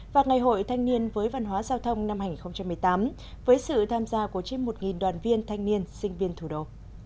và ngày hội thanh niên với văn hóa giao thông năm hai nghìn một mươi tám với sự tham gia của trên một đoàn viên thanh niên sinh viên thủ đô